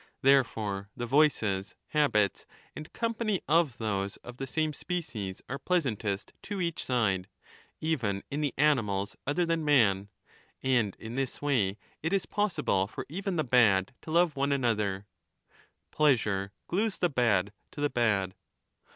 Therefore the voices, habits, and company of those of the same species are pleasantest to each side, even in the animals other than man ; and 20 in this way it is possible for even the bad to love one another :' pleasure glues the bad to the bad.'